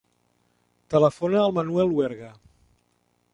Telefona al Manuel Huerga.